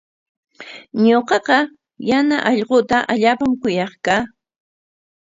Ñuqaqa yana allquuta allaapam kuyaq kaa.